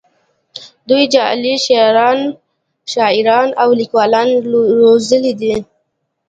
دوی جعلي شاعران او لیکوالان روزلي دي